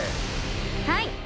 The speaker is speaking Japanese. はい！